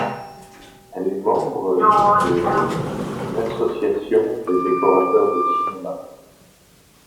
Elle est membre de l'Association des Décorateurs de Cinéma.